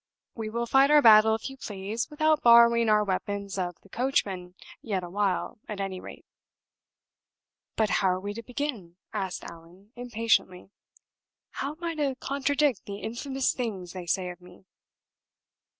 "We will fight our battle, if you please, without borrowing our weapons of the coachman yet a while, at any rate." "But how are we to begin?" asked Allan, impatiently. "How am I to contradict the infamous things they say of me?"